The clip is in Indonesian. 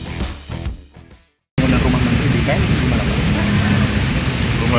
biasanya memang tidur dapur orang tamu orang ramah